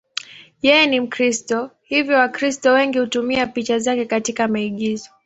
Yeye ni Mkristo, hivyo Wakristo wengi hutumia picha zake katika maigizo.